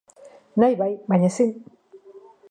Nahi bai, baina ezin!